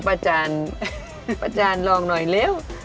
ป้าจันลองหน่อยเร็ว